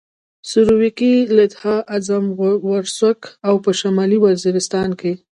سرویکي، لدها، اعظم ورسک او په شمالي وزیرستان کې.